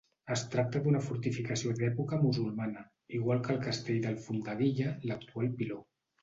Es tracta d'una fortificació d'època musulmana, igual que el castell d'Alfondeguilla, l'actual Piló.